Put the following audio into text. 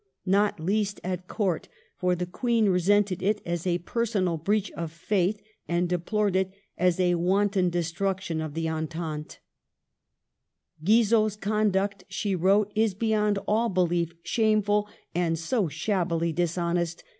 Not least at Court, for the Queen resented it as a personal breach of faith and deplored it as a wanton destruction of the entente. " Guizot's conduct," she wrote, " is beyond all belief shameful and so shabbily dishonest.